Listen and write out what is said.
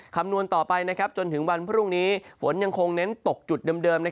คำนวณต่อไปจนถึงวันพรุ่งนี้ฝนยังคงเน้นตกจุดเดิม